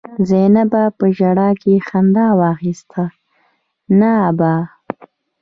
زينبه په ژړا کې خندا واخيسته: نه ابا!